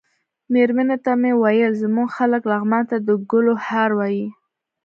مېرمنې ته مې ویل زموږ خلک لغمان ته د ګلو هار وايي.